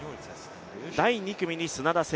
第２組に砂田晟